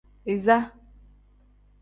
Iza.